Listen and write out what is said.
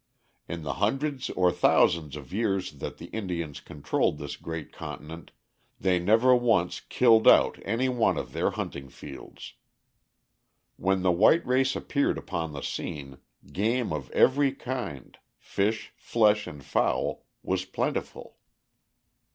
In the hundreds or thousands of years that the Indians controlled this great continent they never once "killed out" any one of their hunting fields. When the white race appeared upon the scene, game of every kind, fish, flesh, and fowl, was plentiful.